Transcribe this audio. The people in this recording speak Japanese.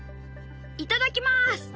いただきます！